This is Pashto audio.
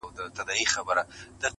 دی هم پټ روان پر لور د هدیرې سو؛